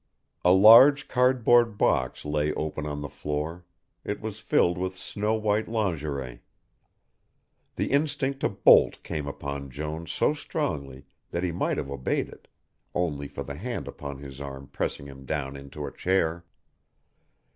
A large cardboard box lay open on the floor, it was filled with snow white lingerie. The instinct to bolt came upon Jones so strongly that he might have obeyed it, only for the hand upon his arm pressing him down into a chair.